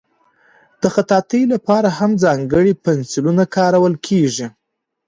د خطاطۍ لپاره هم ځانګړي پنسلونه کارول کېږي.